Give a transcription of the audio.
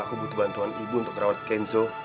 aku butuh bantuan ibu untuk rawat kenzo